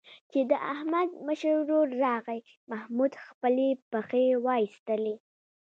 چې د احمد مشر ورور راغی، محمود خپلې پښې وایستلې.